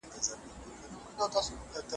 مور مې وویل چې پس انداز کول اړین دي.